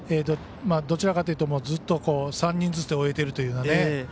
どちらかというとずっと３人ずつで終えているという。